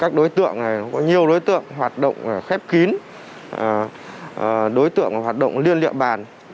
các đối tượng này có nhiều đối tượng hoạt động khép kín đối tượng hoạt động liên liệu bàn